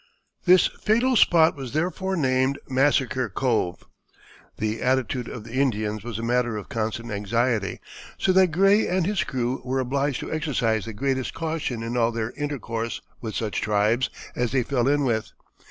This fatal spot was therefore named Massacre Cove. The attitude of the Indians was a matter of constant anxiety, so that Gray and his crew were obliged to exercise the greatest caution in all their intercourse with such tribes as they fell in with.